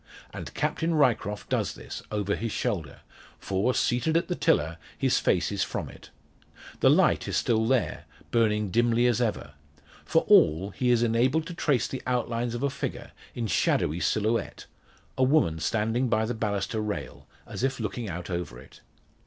And Captain Ryecroft does this, over his shoulder; for, seated at the tiller, his face is from it. The light is still there, burning dimly as ever. For all, he is enabled to trace the outlines of a figure, in shadowy silhouette a woman standing by the baluster rail, as if looking out over it.